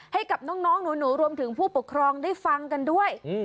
ให้กับน้องหนูรวมถึงผู้ปกครองได้ฟังกันด้วย